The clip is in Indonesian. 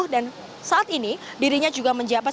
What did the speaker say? saat ini dirinya juga menjabat